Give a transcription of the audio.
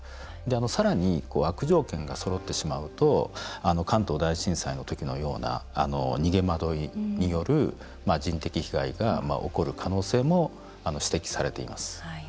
さらに悪条件がそろってしまうと関東大震災の時のような逃げ惑いによる人的被害が起きる可能性も指摘されています。